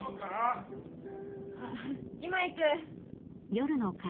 あっ今行く。